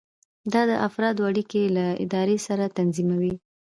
دا د افرادو اړیکې له ادارې سره تنظیموي.